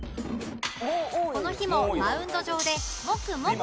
この日もマウンド上でモクモク